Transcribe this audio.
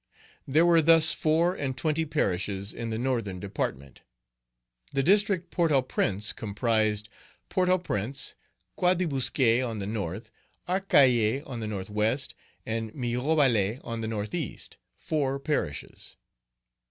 There were thus four and twenty parishes in the northern department. The District Port au Prince comprised Port au Prince, Croix des Bosquets, on the north, Arcahaye on the northwest, and Mirebalais on the northeast, four parishes.